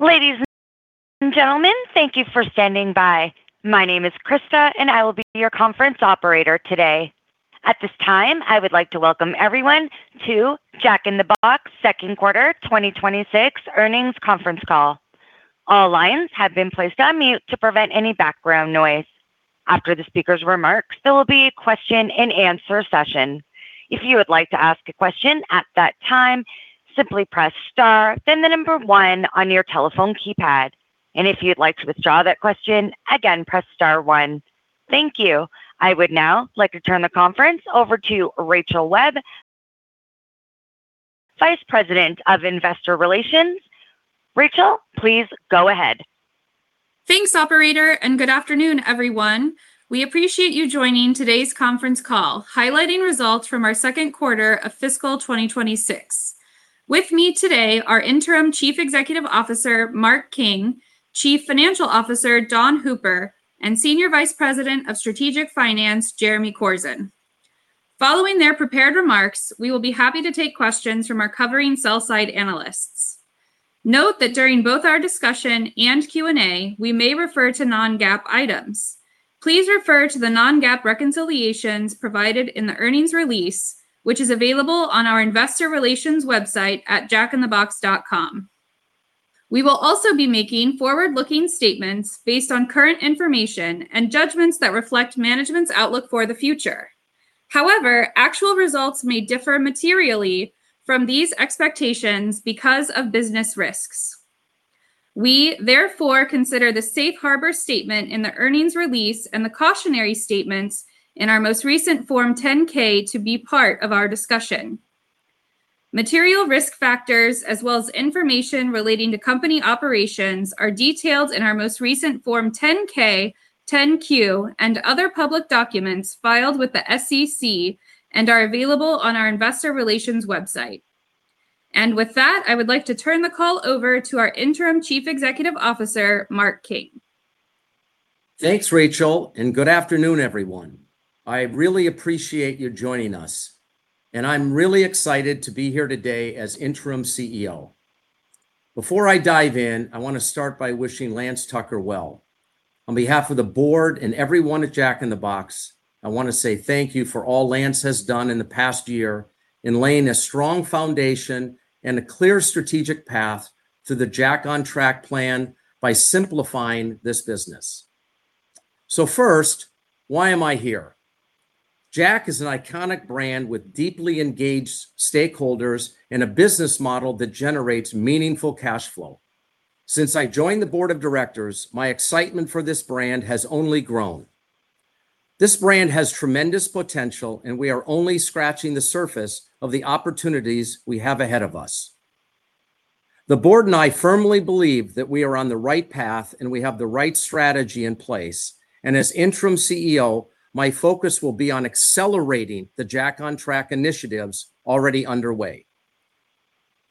Ladies and gentlemen, thank you for standing by. My name is Krista, and I will be your conference operator today. At this time, I would like to welcome everyone to Jack in the Box Q2 2026 earnings conference call. All lines have been placed on mute to prevent any background noise. After the speaker's remarks, there will be a question and answer session. If you would like to ask a question at that time, simply press star then one on your telephone keypad. If you'd like to withdraw that question, again, press star one. Thank you. I would now like to turn the conference over to Rachel Webb, Vice President of Investor Relations. Rachel, please go ahead. Thanks, operator, and good afternoon, everyone. We appreciate you joining today's conference call highlighting results from our Q2 of fiscal 2026. With me today are Interim Chief Executive Officer, Mark King, Chief Financial Officer, Dawn Hooper, and Senior Vice President of Strategic Finance, Jeremy Corzin. Following their prepared remarks, we will be happy to take questions from our covering sell-side analysts. Note that during both our discussion and Q&A, we may refer to non-GAAP items. Please refer to the non-GAAP reconciliations provided in the earnings release, which is available on our investor relations website at jackinthebox.com. We will also be making forward-looking statements based on current information and judgments that reflect management's outlook for the future. However, actual results may differ materially from these expectations because of business risks. We therefore consider the safe harbor statement in the earnings release and the cautionary statements in our most recent form 10-K to be part of our discussion. Material risk factors as well as information relating to company operations are detailed in our most recent form 10-K, 10-Q, and other public documents filed with the SEC and are available on our investor relations website. With that, I would like to turn the call over to our interim Chief Executive Officer, Mark King. Thanks, Rachel, and good afternoon, everyone. I really appreciate you joining us, and I'm really excited to be here today as interim CEO. Before I dive in, I want to start by wishing Lance Tucker well. On behalf of the board and everyone at Jack in the Box, I want to say thank you for all Lance has done in the past year in laying a strong foundation and a clear strategic path to the Jack on Track plan by simplifying this business. First, why am I here? Jack is an iconic brand with deeply engaged stakeholders and a business model that generates meaningful cash flow. Since I joined the board of directors, my excitement for this brand has only grown. This brand has tremendous potential, and we are only scratching the surface of the opportunities we have ahead of us. The board and I firmly believe that we are on the right path, and we have the right strategy in place. As interim CEO, my focus will be on accelerating the Jack on Track initiatives already underway.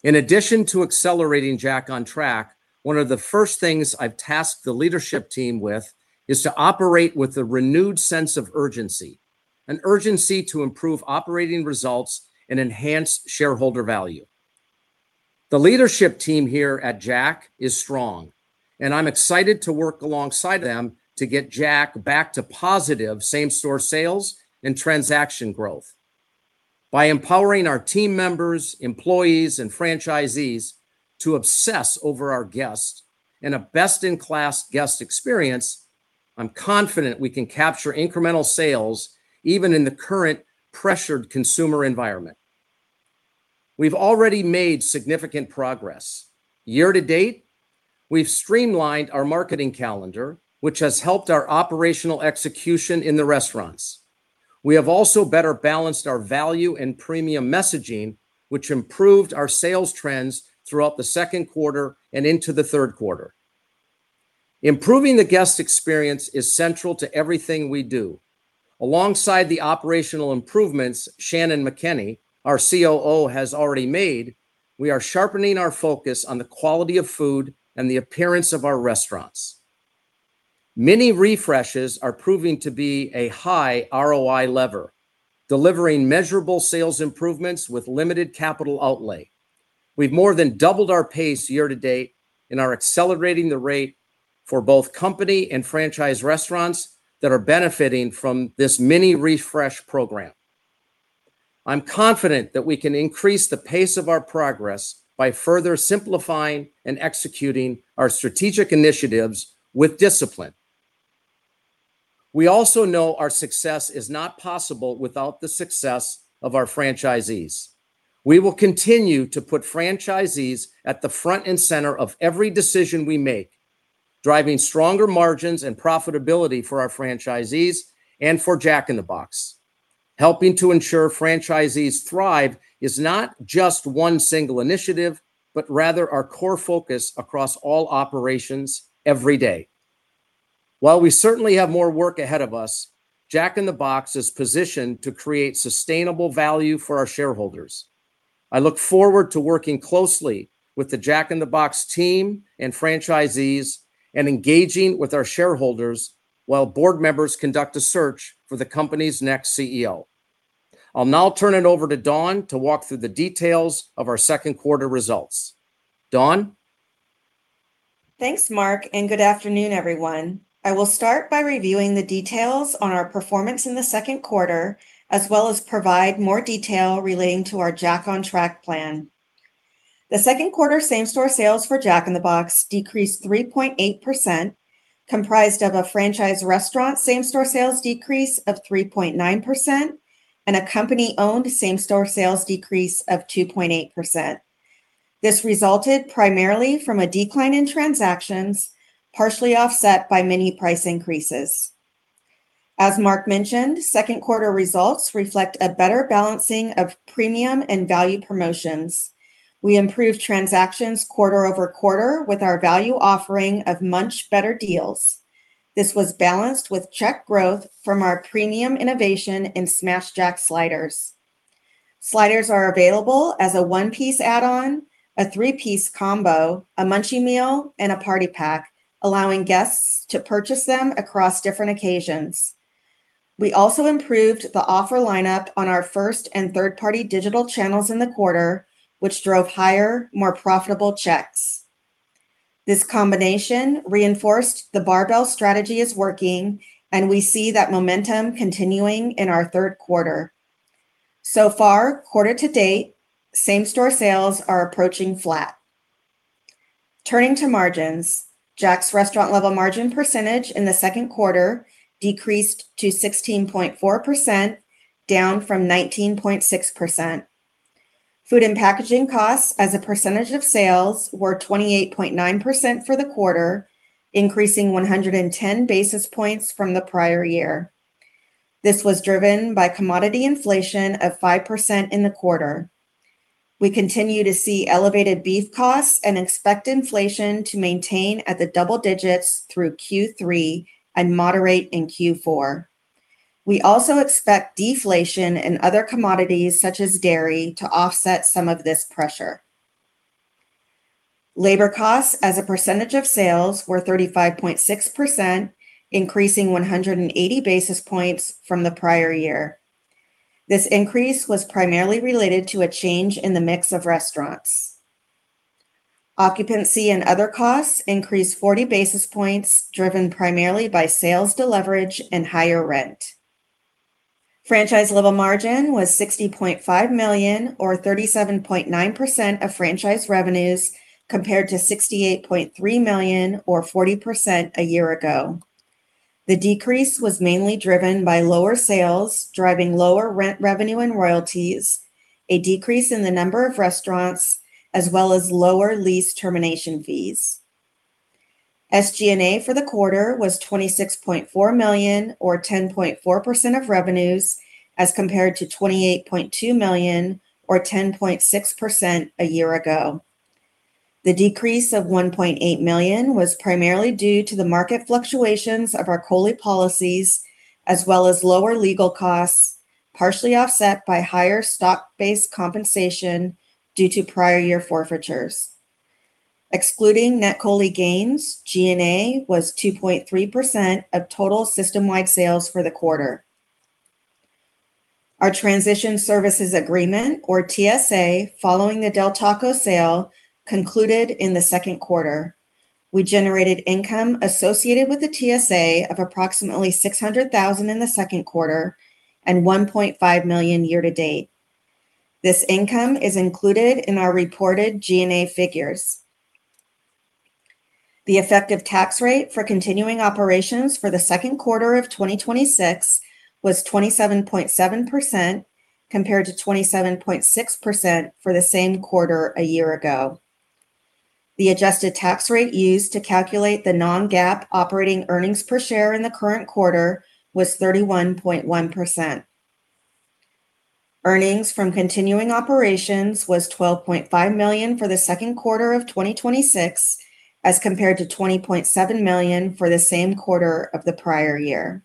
In addition to accelerating Jack on Track, one of the first things I've tasked the leadership team with is to operate with a renewed sense of urgency, an urgency to improve operating results and enhance shareholder value. The leadership team here at Jack is strong, and I'm excited to work alongside them to get Jack back to positive same-store sales and transaction growth. By empowering our team members, employees, and franchisees to obsess over our guests and a best-in-class guest experience, I'm confident we can capture incremental sales even in the current pressured consumer environment. We've already made significant progress. Year to date, we've streamlined our marketing calendar, which has helped our operational execution in the restaurants. We have also better balanced our value and premium messaging, which improved our sales trends throughout the Q2 and into the Q3. Improving the guest experience is central to everything we do. Alongside the operational improvements Shannon McKinney, our COO, has already made, we are sharpening our focus on the quality of food and the appearance of our restaurants. Many refreshes are proving to be a high ROI lever, delivering measurable sales improvements with limited capital outlay. We've more than doubled our pace year to date and are accelerating the rate for both company and franchise restaurants that are benefiting from this mini refresh program. I'm confident that we can increase the pace of our progress by further simplifying and executing our strategic initiatives with discipline. We also know our success is not possible without the success of our franchisees. We will continue to put franchisees at the front and center of every decision we make, driving stronger margins and profitability for our franchisees and for Jack in the Box. Helping to ensure franchisees thrive is not just one single initiative, but rather our core focus across all operations every day. While we certainly have more work ahead of us, Jack in the Box is positioned to create sustainable value for our shareholders. I look forward to working closely with the Jack in the Box team and franchisees and engaging with our shareholders while board members conduct a search for the company's next CEO. I'll now turn it over to Dawn to walk through the details of our Q2 results. Dawn? Thanks, Mark. Good afternoon, everyone. I will start by reviewing the details on our performance in the Q2, as well as provide more detail relating to our Jack on Track plan. The Q2 same-store sales for Jack in the Box decreased 3.8%, comprised of a franchise restaurant same-store sales decrease of 3.9% and a company-owned same-store sales decrease of 2.8%. This resulted primarily from a decline in transactions, partially offset by many price increases. As Mark mentioned, Q2 results reflect a better balancing of premium and value promotions. We improved transactions quarter-over-quarter with our value offering of Much Better Deals. This was balanced with check growth from our premium innovation in Smashed Jack sliders. Sliders are available as a one-piece add-on, a three-piece combo, a Munchie Meal, and a Party Pack, allowing guests to purchase them across different occasions. We also improved the offer lineup on our first and third-party digital channels in the quarter, which drove higher, more profitable checks. This combination reinforced the barbell strategy is working, and we see that momentum continuing in our Q3. Quarter to date, same-store sales are approaching flat. Turning to margins, Jack's restaurant-level margin percentage in the Q2 decreased to 16.4%, down from 19.6%. Food and packaging costs as a percentage of sales were 28.9% for the quarter, increasing 110 basis points from the prior year. This was driven by commodity inflation of 5% in the quarter. We continue to see elevated beef costs and expect inflation to maintain at the double digits through Q3 and moderate in Q4. We also expect deflation in other commodities such as dairy to offset some of this pressure. Labor costs as a percentage of sales were 35.6%, increasing 180 basis points from the prior year. This increase was primarily related to a change in the mix of restaurants. Occupancy and other costs increased 40 basis points, driven primarily by sales deleverage and higher rent. Franchise-level margin was $60.5 million, or 37.9% of franchise revenues, compared to $68.3 million, or 40% a year ago. The decrease was mainly driven by lower sales, driving lower rent revenue and royalties, a decrease in the number of restaurants, as well as lower lease termination fees. SG&A for the quarter was $26.4 million, or 10.4% of revenues, as compared to $28.2 million, or 10.6% a year ago. The decrease of $1.8 million was primarily due to the market fluctuations of our COLI policies, as well as lower legal costs, partially offset by higher stock-based compensation due to prior year forfeitures. Excluding net COLI gains, G&A was 2.3% of total system-wide sales for the quarter. Our Transition Services Agreement, or TSA, following the Del Taco sale, concluded in the Q2. We generated income associated with the TSA of approximately $600,000 in the Q2 and $1.5 million year to date. This income is included in our reported G&A figures. The effective tax rate for continuing operations for the Q2 of 2026 was 27.7%, compared to 27.6% for the same quarter a year ago. The adjusted tax rate used to calculate the non-GAAP operating earnings per share in the current quarter was 31.1%. Earnings from continuing operations was $12.5 million for the Q2 of 2026, as compared to $20.7 million for the same quarter of the prior year.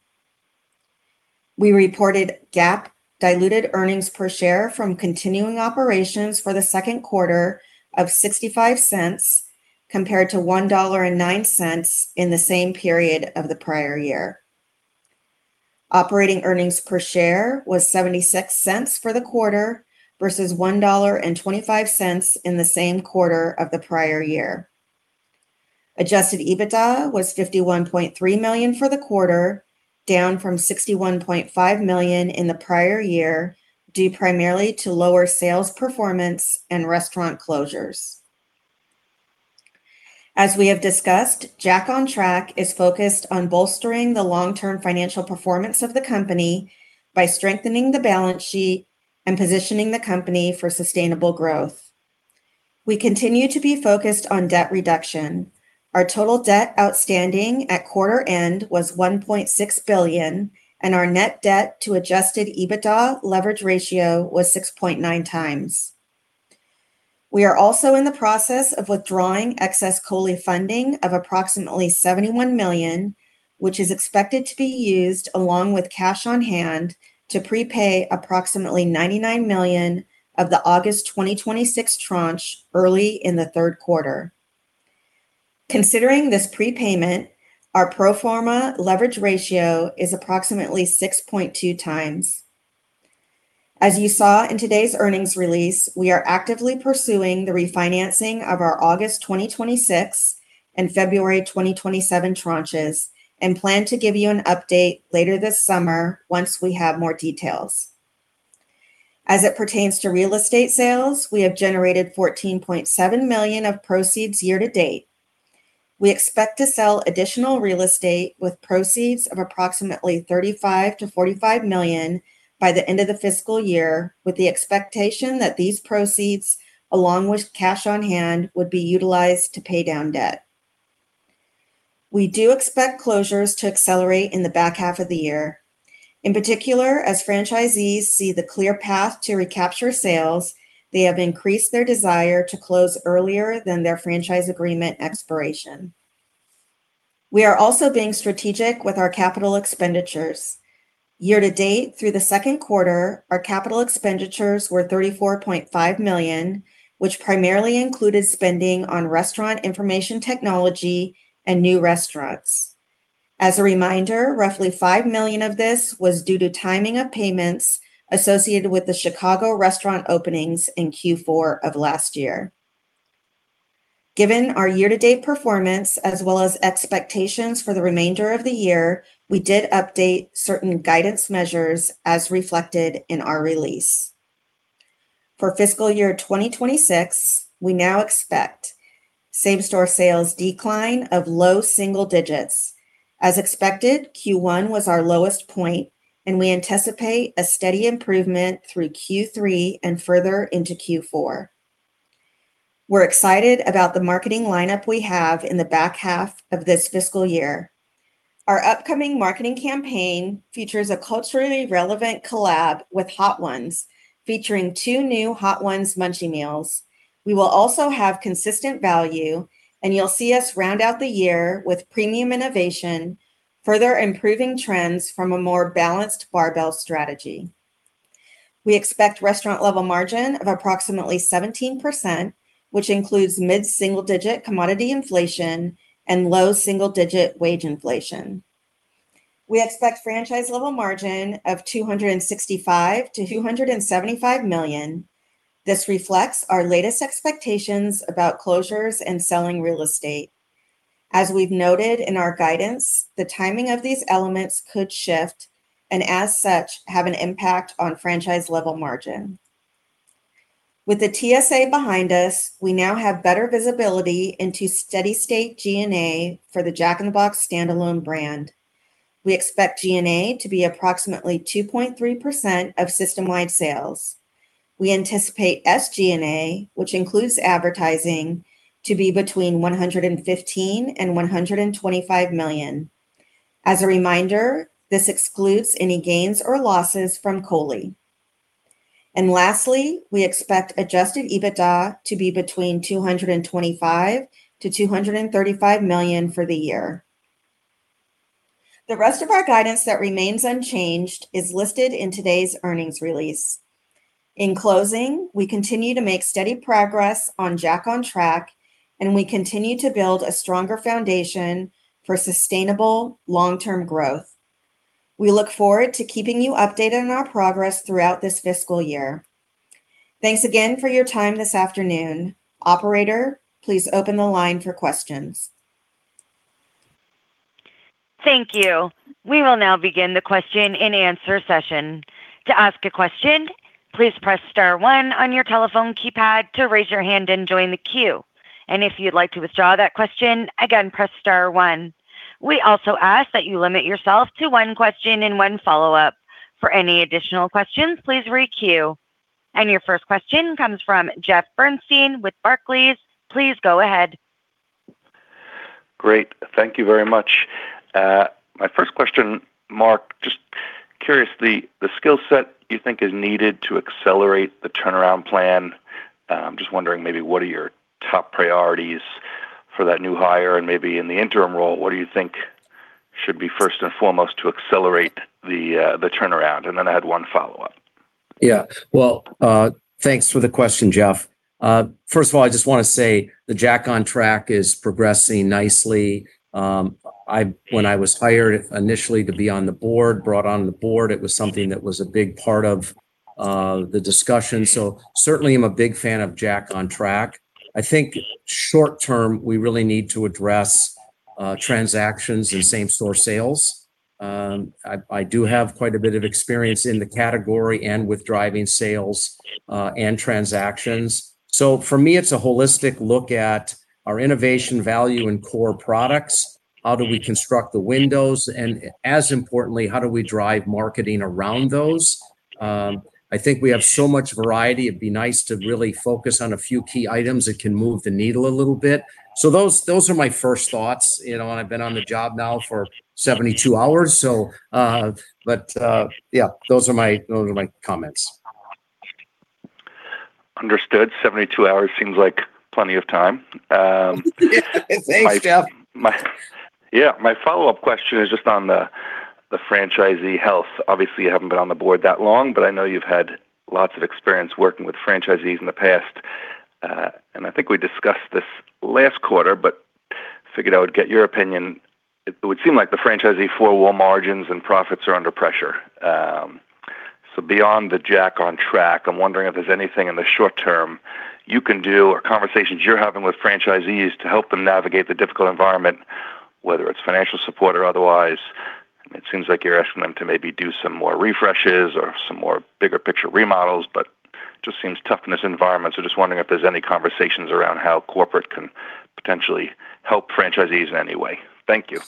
We reported GAAP diluted earnings per share from continuing operations for the Q2 of $0.65, compared to $1.09 in the same period of the prior year. Operating earnings per share was $0.76 for the quarter versus $1.25 in the same quarter of the prior year. Adjusted EBITDA was $51.3 million for the quarter, down from $61.5 million in the prior year, due primarily to lower sales performance and restaurant closures. As we have discussed, Jack on Track is focused on bolstering the long-term financial performance of the company by strengthening the balance sheet and positioning the company for sustainable growth. We continue to be focused on debt reduction. Our total debt outstanding at quarter end was $1.6 billion, and our net debt to adjusted EBITDA leverage ratio was 6.9x. We are also in the process of withdrawing excess COLI funding of approximately $71 million, which is expected to be used along with cash on hand to prepay approximately $99 million of the August 2026 tranche early in the Q3. considering this prepayment, our pro forma leverage ratio is approximately 6.2x. As you saw in today's earnings release, we are actively pursuing the refinancing of our August 2026 and February 2027 tranches. Plan to give you an update later this summer once we have more details. As it pertains to real estate sales, we have generated $14.7 million of proceeds year to date. We expect to sell additional real estate with proceeds of approximately $35 million-$45 million by the end of the fiscal year, with the expectation that these proceeds, along with cash on hand, would be utilized to pay down debt. We do expect closures to accelerate in the back half of the year. In particular, as franchisees see the clear path to recapture sales, they have increased their desire to close earlier than their franchise agreement expiration. We are also being strategic with our capital expenditures. Year to date through the Q2, our capital expenditures were $34.5 million, which primarily included spending on restaurant information technology and new restaurants. As a reminder, roughly $5 million of this was due to timing of payments associated with the Chicago restaurant openings in Q4 of last year. Given our year to date performance as well as expectations for the remainder of the year, we did update certain guidance measures as reflected in our release. For fiscal year 2026, we now expect same store sales decline of low single digits. As expected, Q1 was our lowest point, and we anticipate a steady improvement through Q3 and further into Q4. We're excited about the marketing lineup we have in the back half of this fiscal year. Our upcoming marketing campaign features a culturally relevant collab with Hot Ones, featuring two new Hot Ones Munchie Meals. We will also have consistent value, and you'll see us round out the year with premium innovation, further improving trends from a more balanced barbell strategy. We expect restaurant level margin of approximately 17%, which includes mid-single digit commodity inflation and low single digit wage inflation. We expect franchise level margin of $265 million-$275 million. This reflects our latest expectations about closures and selling real estate. We've noted in our guidance, the timing of these elements could shift, and as such, have an impact on franchise level margin. With the TSA behind us, we now have better visibility into steady state G&A for the Jack in the Box standalone brand. We expect G&A to be approximately 2.3% of system-wide sales. We anticipate SG&A, which includes advertising, to be between $115 million and $125 million. As a reminder, this excludes any gains or losses from COLI. Lastly, we expect adjusted EBITDA to be between $225 million-$235 million for the year. The rest of our guidance that remains unchanged is listed in today's earnings release. In closing, we continue to make steady progress on Jack on Track, and we continue to build a stronger foundation for sustainable long-term growth. We look forward to keeping you updated on our progress throughout this fiscal year. Thanks again for your time this afternoon. Operator, please open the line for questions. Thank you. We will now begin the question and answer session. To ask a question, please press star one on your telephone keypad to raise your hand and join the queue. If you'd like to withdraw that question, again, press star one. We also ask that you limit yourself to one question and one follow-up. For any additional questions, please re-queue. Your first question comes from Jeff Bernstein with Barclays. Please go ahead. Great. Thank you very much. My first question, Mark, just curious, the skill set you think is needed to accelerate the turnaround plan. Just wondering maybe what are your top priorities for that new hire, and maybe in the interim role, what do you think should be first and foremost to accelerate the turnaround? Then I had one follow-up. Yeah. Well, thanks for the question, Jeff. First of all, I just want to say the Jack on Track is progressing nicely. When I was hired initially to be on the board, brought on the board, it was something that was a big part of the discussion. Certainly I am a big fan of Jack on Track. I think short term, we really need to address transactions and same-store sales. I do have quite a bit of experience in the category and with driving sales and transactions. For me, it is a holistic look at our innovation value and core products. How do we construct the windows? As importantly, how do we drive marketing around those? I think we have so much variety, it'd be nice to really focus on a few key items that can move the needle a little bit. Those are my first thoughts. You know, I've been on the job now for 72 hours, so, but, yeah, those are my comments. Understood. 72 hours seems like plenty of time. Thanks, Jeff. My follow-up question is just on the franchisee health. Obviously, you haven't been on the board that long, but I know you've had lots of experience working with franchisees in the past. I think we discussed this last quarter, but figured I would get your opinion. It would seem like the franchisee four wall margins and profits are under pressure. Beyond the Jack on Track, I'm wondering if there's anything in the short term you can do or conversations you're having with franchisees to help them navigate the difficult environment, whether it's financial support or otherwise. It seems like you're asking them to maybe do some more refreshes or some more bigger picture remodels, but just seems tough in this environment. Just wondering if there's any conversations around how corporate can potentially help franchisees in any way. Thank you.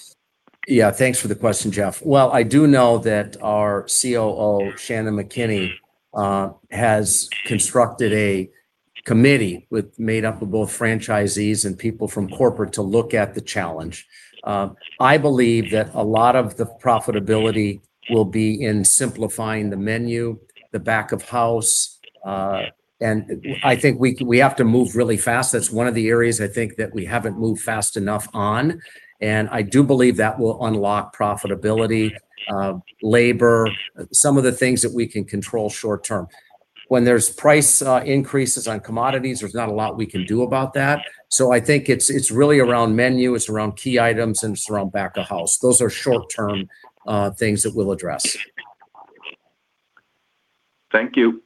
Yeah. Thanks for the question, Jeff. Well, I do know that our COO, Shannon McKinney, has constructed a committee made up of both franchisees and people from corporate to look at the challenge. I believe that a lot of the profitability will be in simplifying the menu, the back of house, I think we have to move really fast. That's one of the areas I think that we haven't moved fast enough on, I do believe that will unlock profitability, labor, some of the things that we can control short term. When there's price increases on commodities, there's not a lot we can do about that. I think it's really around menu, it's around key items, and it's around back of house. Those are short-term things that we'll address. Thank you.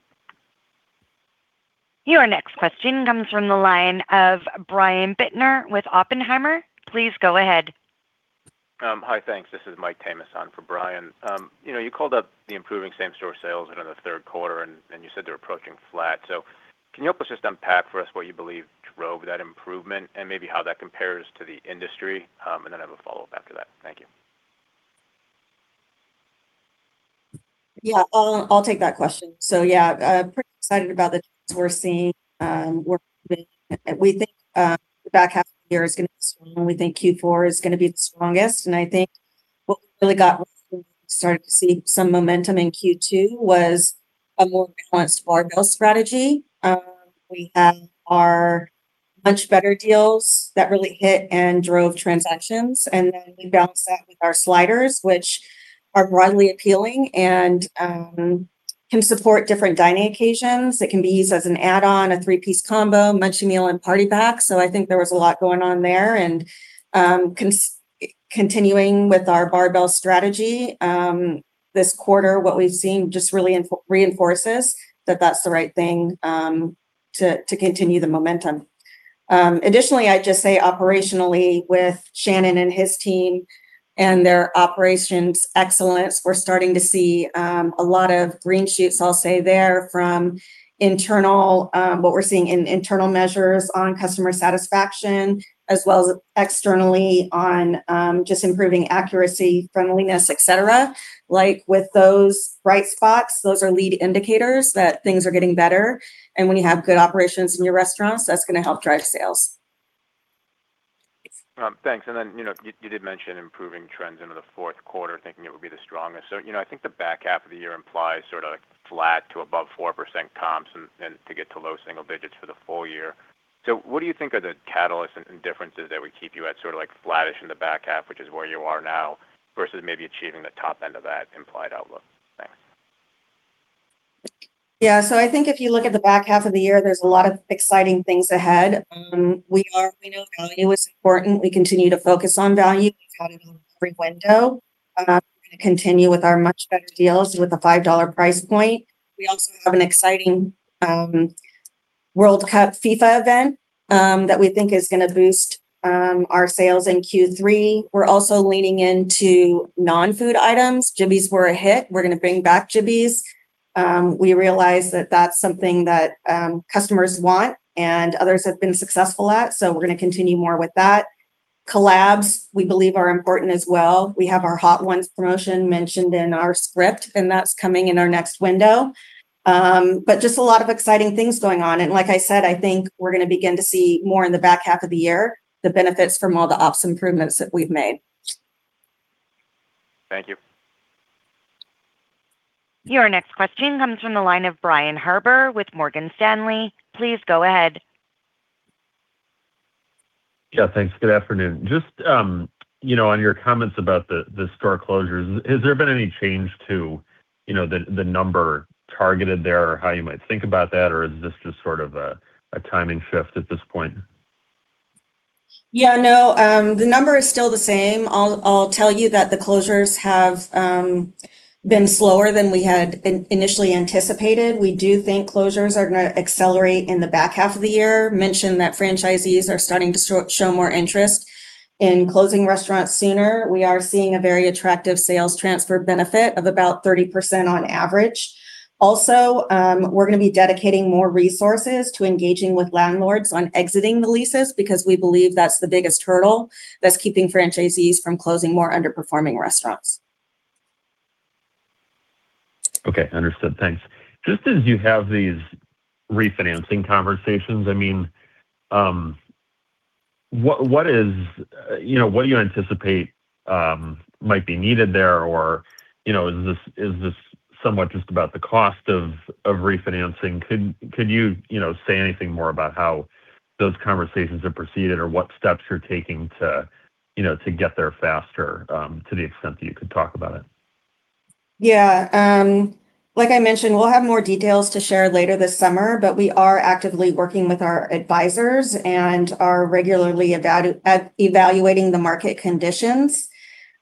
Your next question comes from the line of Brian Bittner with Oppenheimer. Please go ahead. Hi. Thanks. This is Mike Tamas for Brian. you know, you called up the improving same store sales into the Q3 and you said they're approaching flat. Can you help us just unpack for us what you believe drove that improvement and maybe how that compares to the industry? I have a follow-up after that. Thank you. Yeah. I'll take that question. Yeah, pretty excited about the trends we're seeing, working. We think the back half of the year is going to be strong. We think Q4 is going to be the strongest. I think what really got started to see some momentum in Q2 was a more balanced barbell strategy. We have our much better deals that really hit and drove transactions, we balance that with our sliders, which are broadly appealing and can support different dining occasions. It can be used as an add-on, a three-piece combo, Munchie Meal, and Party Pack. I think there was a lot going on there and continuing with our barbell strategy this quarter, what we've seen just really reinforces that that's the right thing to continue the momentum. Additionally, I'd just say operationally with Shannon and his team and their operations excellence, we're starting to see a lot of green sheets, I'll say there from internal, what we're seeing in internal measures on customer satisfaction as well as externally on just improving accuracy, friendliness, etc. Like with those bright spots, those are lead indicators that things are getting better. When you have good operations in your restaurants, that's gonna help drive sales. Thanks. You know, you did mention improving trends into the Q4, thinking it would be the strongest. You know, I think the back half of the year implies sort of like flat to above 4% comps and to get to low single digits for the full year. What do you think are the catalysts and differences that would keep you at sort of like flattish in the back half, which is where you are now, versus maybe achieving the top end of that implied outlook? Thanks. Yeah. I think if you look at the back half of the year, there's a lot of exciting things ahead. We know value is important. We continue to focus on value. We've got it on every window. We're gonna continue with our much better deals with the $5 price point. We also have an exciting FIFA World Cup event that we think is gonna boost our sales in Q3. We're also leaning into non-food items. Jibbitz were a hit. We're gonna bring back Jibbitz. We realize that that's something that customers want and others have been successful at, so we're gonna continue more with that. Collabs, we believe are important as well. We have our Hot Ones promotion mentioned in our script, and that's coming in our next window. Just a lot of exciting things going on. Like I said, I think we're gonna begin to see more in the back half of the year, the benefits from all the ops improvements that we've made. Thank you. Your next question comes from the line of Brian Harbour with Morgan Stanley. Please go ahead. Yeah. Thanks. Good afternoon. Just, you know, on your comments about the store closures, has there been any change to, you know, the number targeted there or how you might think about that? Is this just sort of a timing shift at this point? The number is still the same. I'll tell you that the closures have been slower than we had initially anticipated. We do think closures are gonna accelerate in the back half of the year. Mention that franchisees are starting to show more interest in closing restaurants sooner. We are seeing a very attractive sales transfer benefit of about 30% on average. We're gonna be dedicating more resources to engaging with landlords on exiting the leases because we believe that's the biggest hurdle that's keeping franchisees from closing more underperforming restaurants. Okay. Understood. Thanks. Just as you have these refinancing conversations, I mean, what is, you know, what do you anticipate might be needed there? Or, you know, is this? Somewhat just about the cost of refinancing. Could you know, say anything more about how those conversations have proceeded or what steps you're taking to get there faster, to the extent that you could talk about it? Yeah. Like I mentioned, we'll have more details to share later this summer, but we are actively working with our advisors and are regularly evaluating the market conditions.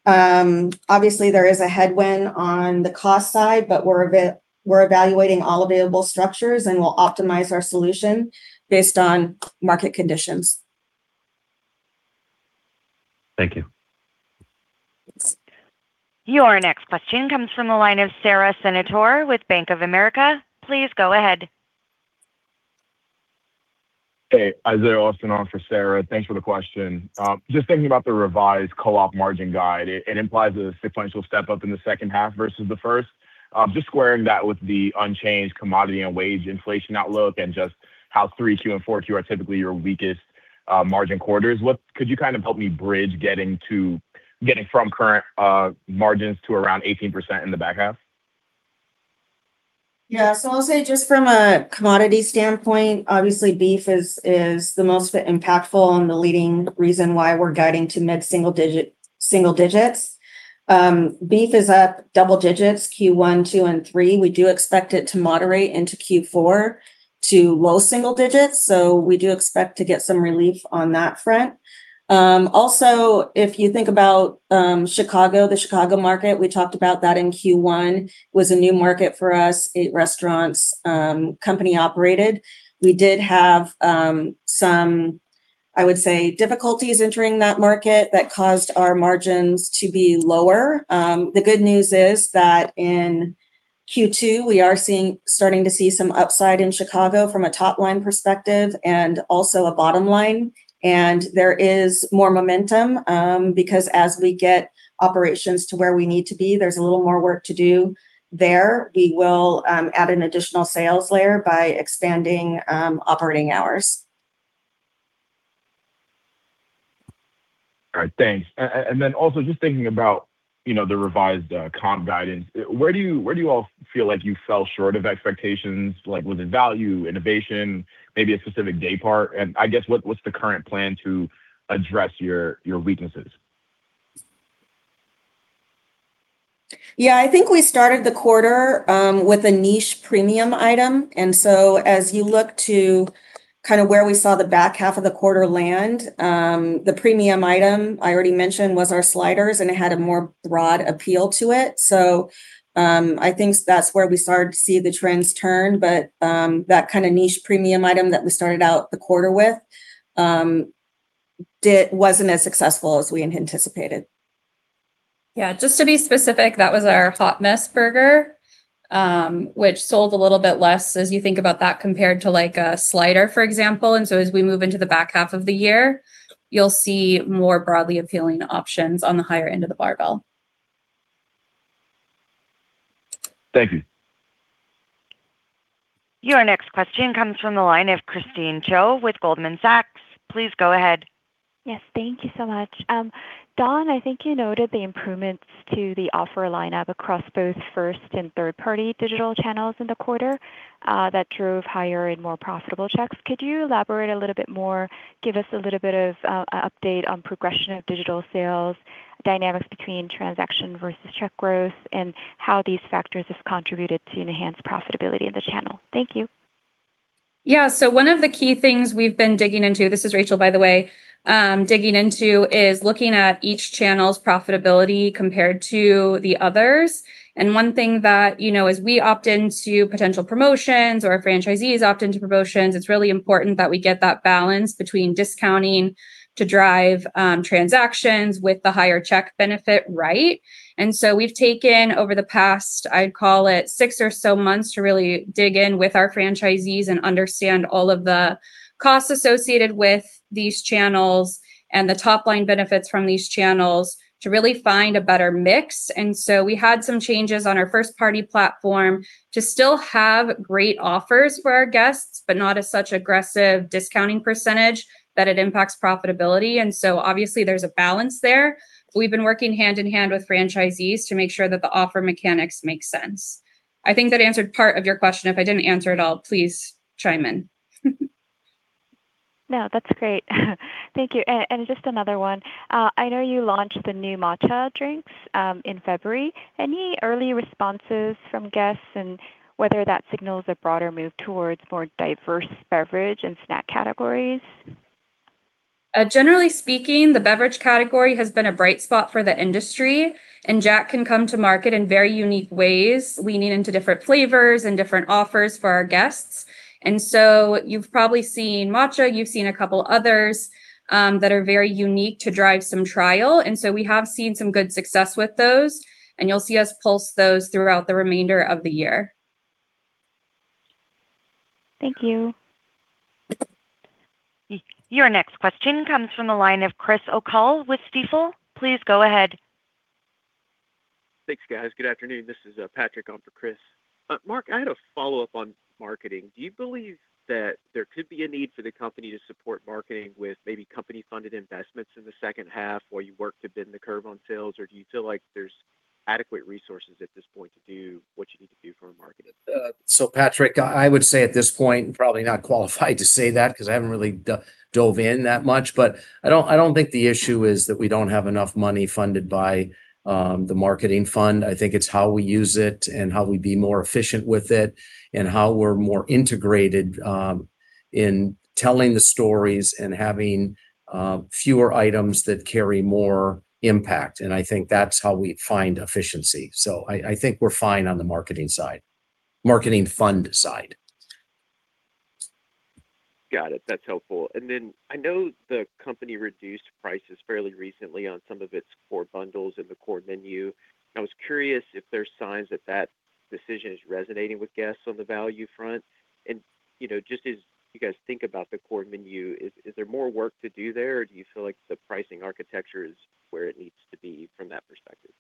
Obviously there is a headwind on the cost side, but we're evaluating all available structures, and we'll optimize our solution based on market conditions. Thank you. Thanks. Your next question comes from the line of Sara Senatore with Bank of America. Please go ahead. Hey. Isiah Austin on for Sara. Thanks for the question. Just thinking about the revised co-op margin guide. It implies a sequential step up in the second half versus the first. Just squaring that with the unchanged commodity and wage inflation outlook and just how Q3 and Q4 are typically your weakest margin quarters. Could you kind of help me bridge getting from current margins to around 18% in the back half? I'll say just from a commodity standpoint, obviously beef is the most impactful and the leading reason why we're guiding to mid single-digit, single digits. Beef is up double digits Q1, Q2, and Q3. We do expect it to moderate into Q4 to low single digits, so we do expect to get some relief on that front. Also if you think about Chicago, the Chicago market, we talked about that in Q1, was a new market for us. Eight restaurants, company operated. We did have some, I would say, difficulties entering that market that caused our margins to be lower. The good news is that in Q2 we are seeing, starting to see some upside in Chicago from a top line perspective and also a bottom line. There is more momentum, because as we get operations to where we need to be, there's a little more work to do there. We will add an additional sales layer by expanding operating hours. All right, thanks. Then also just thinking about, you know, the revised comp guidance, where do you all feel like you fell short of expectations, like within value, innovation, maybe a specific day part? I guess, what's the current plan to address your weaknesses? Yeah. I think we started the quarter with a niche premium item. As you look to kind of where we saw the back half of the quarter land, the premium item I already mentioned was our Smashed Jack, and it had a more broad appeal to it. I think that's where we started to see the trends turn. I think that kind of niche premium item that we started out the quarter with wasn't as successful as we had anticipated. Just to be specific, that was our Hot Mess Burger, which sold a little less as you think about that compared to like a slider, for example. So we move into the back half of the year, you'll see more broadly appealing options on the higher end of the barbell. Thank you. Your next question comes from the line of Christine Cho with Goldman Sachs. Please go ahead. Yes. Thank you so much. Dawn, I think you noted the improvements to the offer lineup across both first and third party digital channels in the quarter that drove higher and more profitable checks. Could you elaborate a little bit more, give us a little bit of a update on progression of digital sales, dynamics between transaction versus check growth, and how these factors has contributed to enhanced profitability in the channel? Thank you. One of the key things we've been digging into, this is Rachel, by the way, digging into is looking at each channel's profitability compared to the others. One thing that, you know, as we opt into potential promotions or franchisees opt into promotions, it's really important that we get that balance between discounting to drive transactions with the higher check benefit, right. We've taken over the past, I'd call it six or so months, to really dig in with our franchisees and understand all of the costs associated with these channels and the top line benefits from these channels to really find a better mix. We had some changes on our first party platform to still have great offers for our guests, but not a such aggressive discounting % that it impacts profitability. Obviously there's a balance there. We've been working hand-in-hand with franchisees to make sure that the offer mechanics make sense. I think that answered part of your question. If I didn't answer it all, please chime in. No, that's great. Thank you. Just another one. I know you launched the new matcha drinks in February. Any early responses from guests and whether that signals a broader move towards more diverse beverage and snack categories? Generally speaking, the beverage category has been a bright spot for the industry, Jack can come to market in very unique ways, leaning into different flavors and different offers for our guests. You've probably seen matcha, you've seen a couple others, that are very unique to drive some trial. We have seen some good success with those, and you'll see us pulse those throughout the remainder of the year. Thank you. Your next question comes from the line of Chris O'Cull with Stifel. Please go ahead. Thanks, guys. Good afternoon. This is Patrick on for Chris. Mark, I had a follow-up on marketing. Do you believe that there could be a need for the company to support marketing with maybe company funded investments in the H2 while you work to bend the curve on sales? Do you feel like there's adequate resources at this point to do what you need to do for marketing? Patrick, I would say at this point, I'm probably not qualified to say that because I haven't really dove in that much. I don't, I don't think the issue is that we don't have enough money funded by the marketing fund. I think it's how we use it and how we be more efficient with it, and how we're more integrated in telling the stories and having fewer items that carry more impact, and I think that's how we find efficiency. I think we're fine on the marketing side, marketing fund side. Got it. That's helpful. I know the company reduced prices fairly recently on some of its core bundles and the core menu. I was curious if there's signs that that decision is resonating with guests on the value front. You know, just as you guys think about the core menu, is there more work to do there or do you feel like the pricing architecture is where it needs to be from that perspective?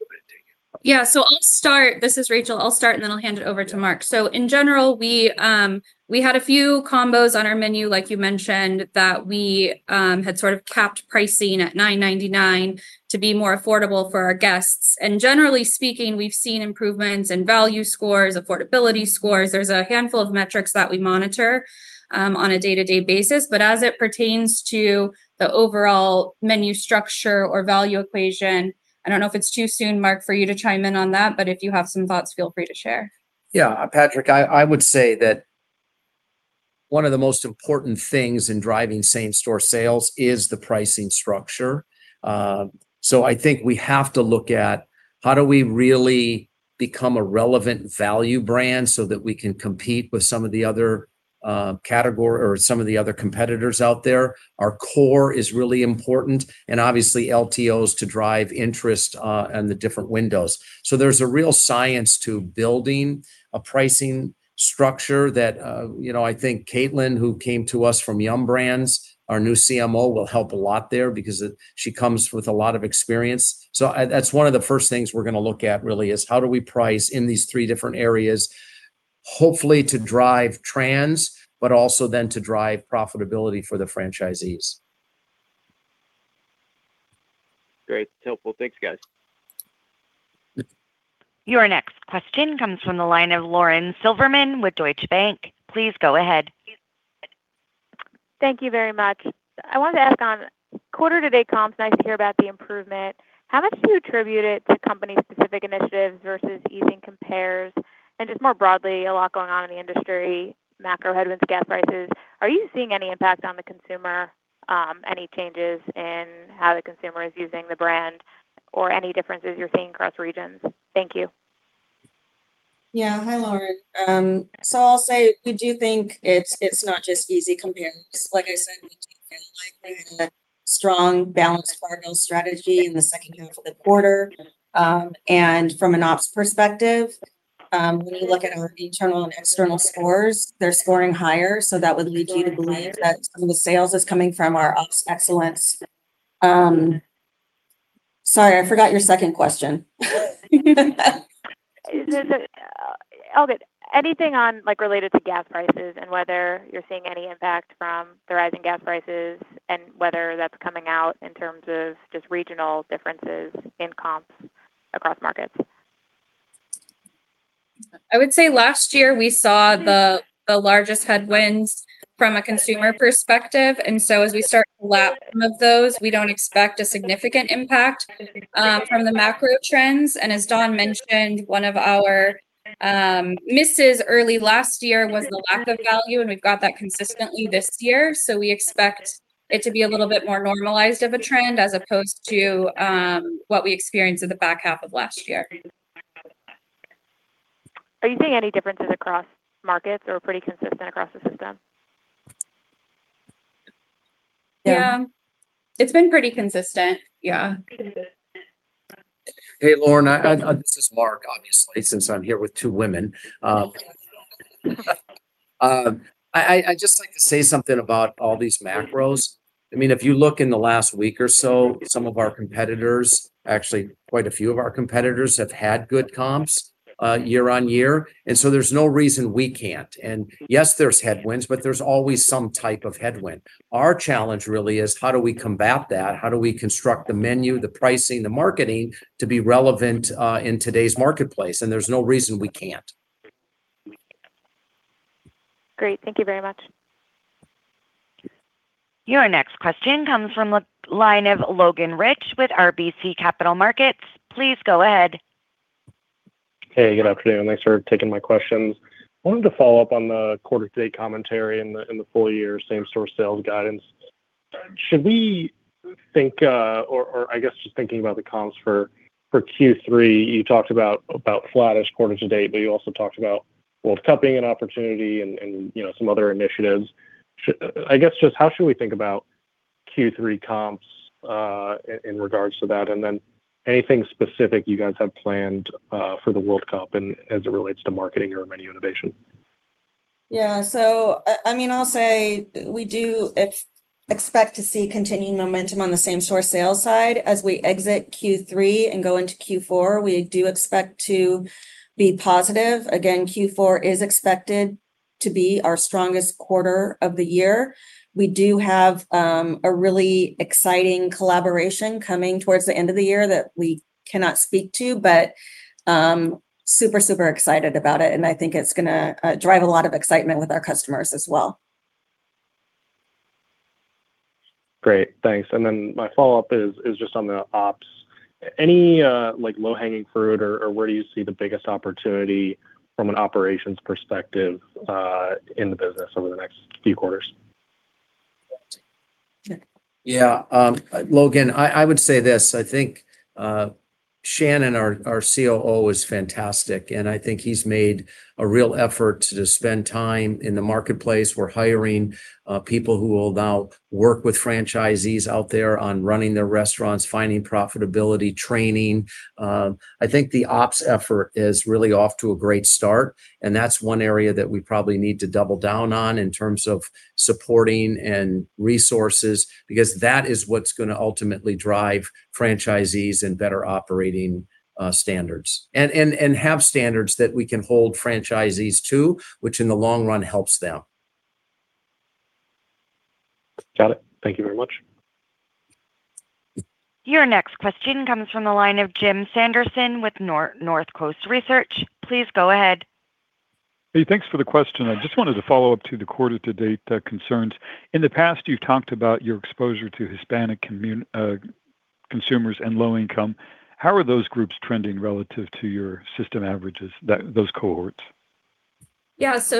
Go ahead and take it. Yeah. I'll start. This is Rachel. I'll start and then I'll hand it over to Mark. Yeah. In general, we had a few combos on our menu, like you mentioned, that we had sort of capped pricing at $9.99 to be more affordable for our guests. Generally speaking, we've seen improvements in value scores, affordability scores. There's a handful of metrics that we monitor on a day-to-day basis. As it pertains to the overall menu structure or value equation, I don't know if it's too soon, Mark, for you to chime in on that, but if you have some thoughts, feel free to share. Yeah. Patrick, I would say that one of the most important things in driving same store sales is the pricing structure. I think we have to look at how do we really become a relevant value brand so that we can compete with some of the other category or some of the other competitors out there. Our core is really important, obviously LTOs to drive interest in the different windows. There's a real science to building a pricing structure that, you know, I think Caitlin, who came to us from Yum! Brands, our new CMO, will help a lot there because she comes with a lot of experience. That's one of the first things we're gonna look at really, is how do we price in these three different areas, hopefully to drive trans, but also then to drive profitability for the franchisees. Great. Helpful. Thanks, guys. Your next question comes from the line of Lauren Silberman with Deutsche Bank. Please go ahead. Thank you very much. I wanted to ask on quarter to date comps, nice to hear about the improvement. How much do you attribute it to company specific initiatives versus easing compares? Just more broadly, a lot going on in the industry, macro headwinds, gas prices. Are you seeing any impact on the consumer, any changes in how the consumer is using the brand or any differences you're seeing across regions? Thank you. Yeah. Hi, Lauren. I'll say we do think it's not just easy compares. Like I said, we do feel like we have a strong balanced portfolio strategy in the H2 of the quarter. From an ops perspective, when we look at our internal and external scores, they're scoring higher, so that would lead you to believe that some of the sales is coming from our ops excellence. Sorry, I forgot your second question. Is it all good? Anything on, like, related to gas prices and whether you're seeing any impact from the rising gas prices and whether that's coming out in terms of just regional differences in comps across markets? I would say last year we saw the largest headwinds from a consumer perspective. As we start to lap some of those, we don't expect a significant impact from the macro trends. As Dawn mentioned, one of our misses early last year was the lack of value, and we've got that consistently this year. We expect it to be a little bit more normalized of a trend as opposed to what we experienced in the back half of last year. Are you seeing any differences across markets or pretty consistent across the system? Yeah. Yeah. It's been pretty consistent. Yeah. Hey, Lauren. This is Mark, obviously, since I'm here with two women. I'd just like to say something about all these macros. I mean, if you look in the last week or so, some of our competitors, actually quite a few of our competitors have had good comps, year on year, and so there's no reason we can't. Yes, there's headwinds, but there's always some type of headwind. Our challenge really is how do we combat that? How do we construct the menu, the pricing, the marketing to be relevant in today's marketplace? There's no reason we can't. Great. Thank you very much. Your next question comes from the line of Logan Reich with RBC Capital Markets. Please go ahead. Hey, good afternoon. Thanks for taking my questions. I wanted to follow up on the quarter to date commentary and the full year same store sales guidance. Should we think, or I guess just thinking about the comps for Q3, you talked about flattish quarter to date, but you also talked about World Cup being an opportunity and, you know, some other initiatives. I guess just how should we think about Q3 comps in regards to that? Then anything specific you guys have planned for the World Cup and as it relates to marketing or menu innovation? I'll say we do expect to see continuing momentum on the same-store sale side as we exit Q3 and go into Q4. We do expect to be positive. Q4 is expected to be our strongest quarter of the year. We do have a really exciting collaboration coming towards the end of the year that we cannot speak to, but super excited about it, and I think it's gonna drive a lot of excitement with our customers as well. Great. Thanks. My follow-up is just on the ops. Any, like, low-hanging fruit or where do you see the biggest opportunity from an operations perspective in the business over the next few quarters? Yeah. Logan, I would say this: I think Shannon, our COO, is fantastic, and I think he's made a real effort to spend time in the marketplace. We're hiring people who will now work with franchisees out there on running their restaurants, finding profitability, training. I think the ops effort is really off to a great start, and that's one area that we probably need to double down on in terms of supporting and resources because that is what's gonna ultimately drive franchisees and better operating standards, and have standards that we can hold franchisees to, which in the long run helps them. Got it. Thank you very much. Your next question comes from the line of Jim Sanderson with Northcoast Research. Please go ahead. Hey, thanks for the question. I just wanted to follow up to the quarter to date concerns. In the past, you've talked about your exposure to Hispanic consumers and low income. How are those groups trending relative to your system averages that those cohorts?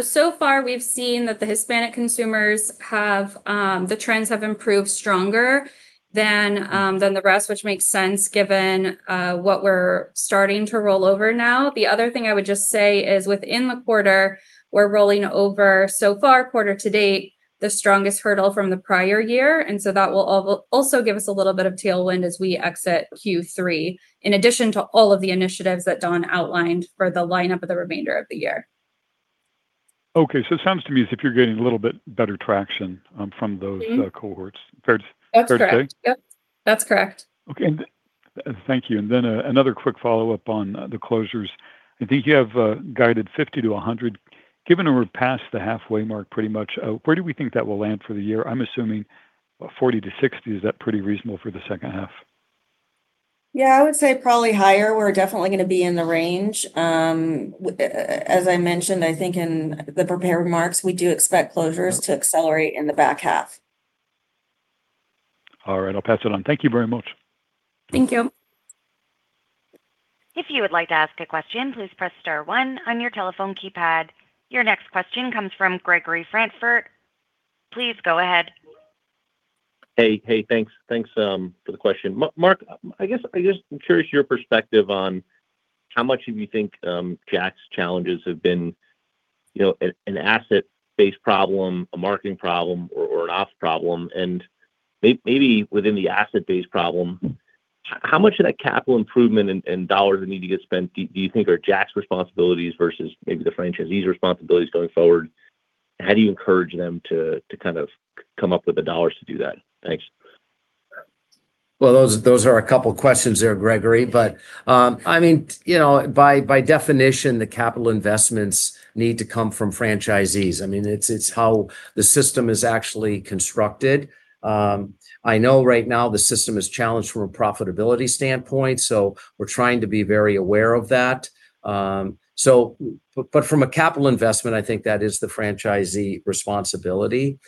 So far we've seen that the Hispanic consumers have, the trends have improved stronger than the rest, which makes sense given what we're starting to roll over now. The other thing I would just say is within the quarter, we're rolling over, so far quarter to date, the strongest hurdle from the prior year. That will also give us a little bit of tailwind as we exit Q3, in addition to all of the initiatives that Dawn outlined for the lineup of the remainder of the year. Okay, it sounds to me as if you're getting a little bit better traction. cohorts. Fair, fair take? That's correct. Yep. That's correct. Okay. Thank you. Then, another quick follow-up on the closures. I think you have guided 50-100. Given that we're past the halfway mark pretty much, where do we think that will land for the year? I'm assuming 40-60. Is that pretty reasonable for the H2? Yeah, I would say probably higher. We're definitely gonna be in the range. As I mentioned, I think in the prepared remarks, we do expect closures- Okay to accelerate in the back half. All right, I'll pass it on. Thank you very much. Thank you. If you would like to ask a question, please press star one on your telephone keypad. Your next question comes from Gregory Francfort. Please go ahead. Hey, hey, thanks, for the question. Mark, I guess I just am curious your perspective on how much of you think, Jack's challenges have been, you know, an asset-based problem, a marketing problem or an ops problem? Maybe within the asset-based problem, how much of that capital improvement and dollars that need to get spent do you think are Jack's responsibilities versus maybe the franchisee's responsibilities going forward? How do you encourage them to come up with the dollars to do that? Thanks. Well, those are a couple questions there, Gregory. I mean, you know, by definition, the capital investments need to come from franchisees. I mean, it's how the system is actually constructed. I know right now the system is challenged from a profitability standpoint, we're trying to be very aware of that. But from a capital investment, I think that is the franchisee responsibility.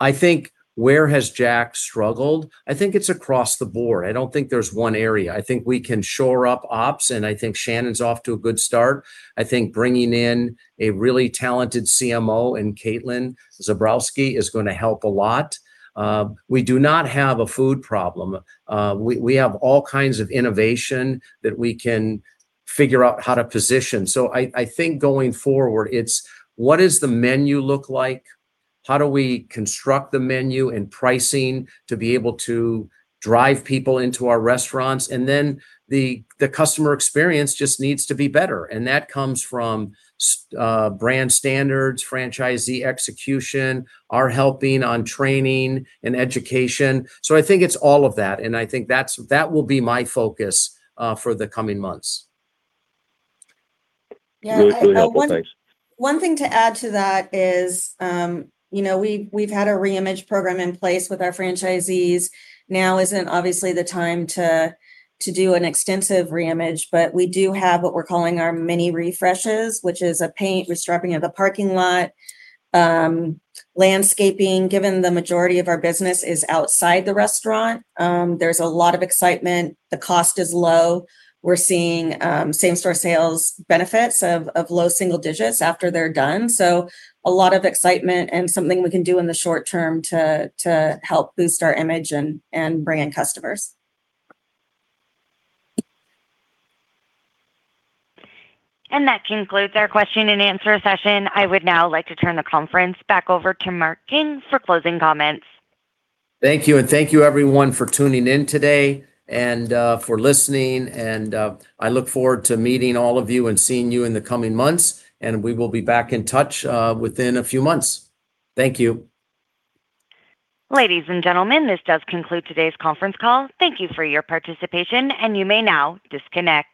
I think where has Jack struggled? I think it's across the board. I don't think there's one area. I think we can shore up ops, I think Shannon's off to a good start. I think bringing in a really talented CMO in Katelyn Zborowski is gonna help a lot. We do not have a food problem. We have all kinds of innovation that we can figure out how to position. I think going forward it's what does the menu look like? How do we construct the menu and pricing to be able to drive people into our restaurants? The customer experience just needs to be better, and that comes from brand standards, franchisee execution, our helping on training and education. I think it's all of that, and I think that will be my focus for the coming months. Yeah. Really, really helpful. Thanks. One thing to add to that is, you know, we've had a reimage program in place with our franchisees. Now isn't obviously the time to do an extensive reimage, but we do have what we're calling our mini refreshes, which is a paint, resurfacing of the parking lot, landscaping, given the majority of our business is outside the restaurant. There's a lot of excitement. The cost is low. We're seeing same-store sales benefits of low single digits after they're done. A lot of excitement and something we can do in the short term to help boost our image and bring in customers. That concludes our question and answer session. I would now like to turn the conference back over to Mark King for closing comments. Thank you, and thank you everyone for tuning in today and for listening. I look forward to meeting all of you and seeing you in the coming months, and we will be back in touch within a few months. Thank you. Ladies and gentlemen, this does conclude today's conference call. Thank you for your participation. You may now disconnect.